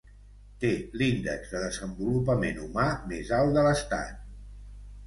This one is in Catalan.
Té l"índex de desenvolupament humà més alt de l"estat.